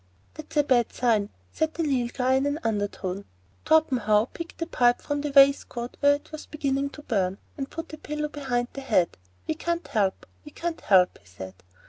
"That's a bad sign," said the Nilghai, in an undertone. Torpenhow picked the pipe from the waistcoat where it was beginning to burn, and put a pillow behind the head. "We can't help; we can't help," he said.